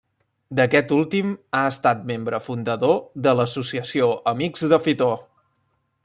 D'aquest últim ha estat Membre fundador de l'Associació Amics de Fitor.